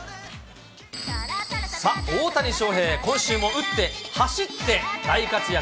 さあ、大谷翔平、今週も打って、走って、大活躍。